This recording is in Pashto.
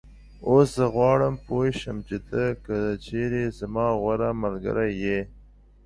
اوس زه غواړم پوی شم چې ته که چېرې زما غوره ملګری یې